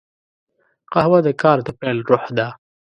قهوه د کار د پیل روح ده